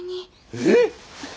えっ？